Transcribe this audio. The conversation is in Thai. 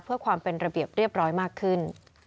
เพื่อความเป็นระเบียบเรียบร้อยมากขึ้น